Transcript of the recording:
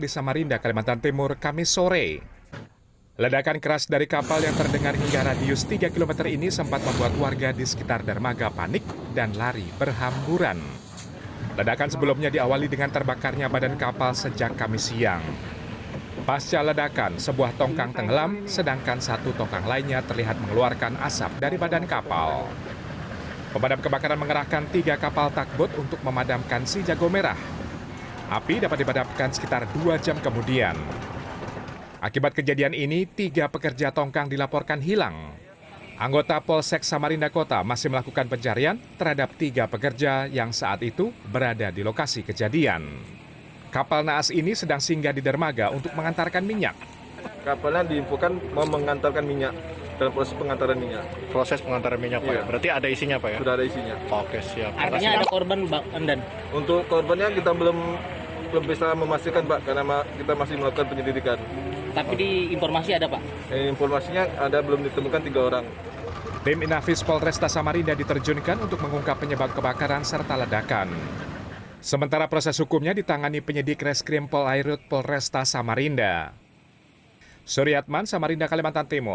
sementara proses hukumnya ditangani penyedik reskrim polairut polresta samarinda